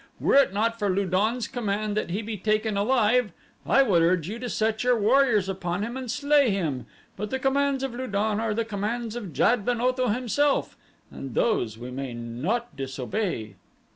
Were it not for Lu don's command that he be taken alive I would urge you to set your warriors upon him and slay him, but the commands of Lu don are the commands of Jad ben Otho himself, and those we may not disobey."